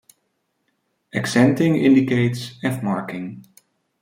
Accenting indicates F-marking.